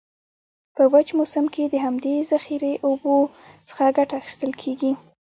په وچ موسم کې د همدي ذخیره اوبو څخه کټه اخیستل کیږي.